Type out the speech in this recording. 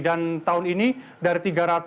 dan tahun ini dari tiga ratus delapan belas